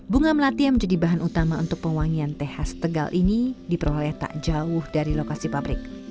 bunga melati yang menjadi bahan utama untuk pewangian teh khas tegal ini diperoleh tak jauh dari lokasi pabrik